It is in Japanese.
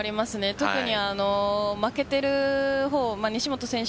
特に負けている方、西本選手